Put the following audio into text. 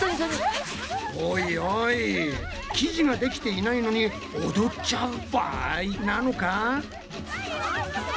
おいおい生地ができていないのに踊っちゃう場合なのか？